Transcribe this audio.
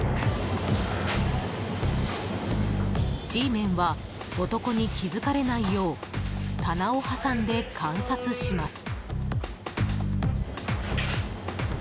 Ｇメンは男に気づかれないよう棚を挟んで、観察します。